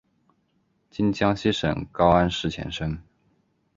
今江西省高安市前身。